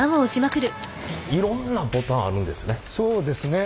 いろんなボタンあるんですね。